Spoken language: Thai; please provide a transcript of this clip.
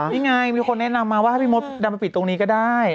นี่ไงมีคนแนะนำมาว่าให้พี่มดดำมาปิดตรงนี้ก็ได้